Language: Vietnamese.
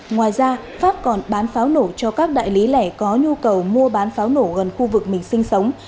ngoài ra pháp còn bán pháo nổ cho các đại lý lẻ có nhu cầu mua bán pháo nổ gần khu vực mình sinh sống